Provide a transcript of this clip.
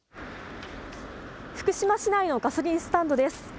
福島市内のガソリンスタンドです。